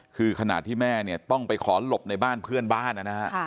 คือขนาดที่แม่ต้องไปขอลบในบ้านเพื่อนบ้านนะฮะ